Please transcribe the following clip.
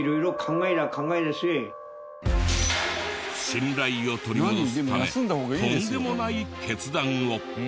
信頼を取り戻すためとんでもない決断を！